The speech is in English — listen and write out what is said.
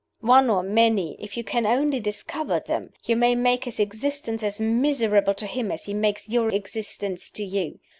One or many, if you can only discover them, you may make his existence as miserable to him as he makes your existence to you.